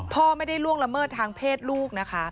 พ่อไม่ได้ล่วงละเมิดทางเพศลูกนะคะ